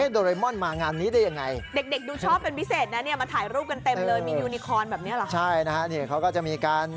โดเรมอนมางานนี้ได้ยังไง